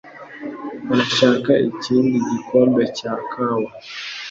Urashaka ikindi gikombe cya kawa?